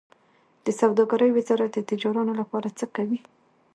د سوداګرۍ وزارت د تجارانو لپاره څه کوي؟